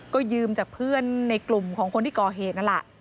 ก็ยืมจากเพื่อนในกลุ่มของคนที่ก่อเหตุนั่นแหละ